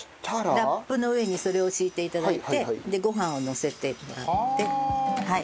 ラップの上にそれを敷いて頂いてご飯をのせてもらってはい。